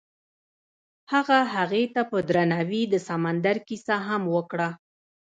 هغه هغې ته په درناوي د سمندر کیسه هم وکړه.